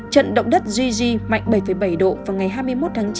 trận động đất gigi mạnh bảy bảy độ vào ngày hai mươi một tháng ba